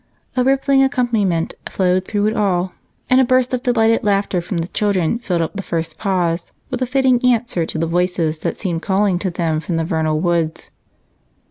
A rippling accompaniment flowed through it all, and a burst of delighted laughter from the children filled up the first pause with a fitting answer to the voices that seemed calling to them from the vernal woods.